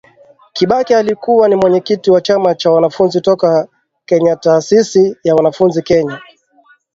Kibaki alikuwa ni mwenyekiti wa chama cha wanafunzi toka Kenyataasisi ya wanafunzi Kenya